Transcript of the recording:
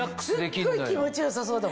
すっごい気持ち良さそうだもん。